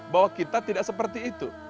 bahwa kita tidak seperti itu